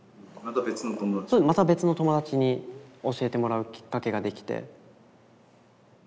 また別の友達に教えてもらうキッカケができて。